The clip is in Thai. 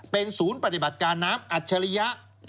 เป็นศูนย์ปฏิบัติการน้ำอัจฉริยะ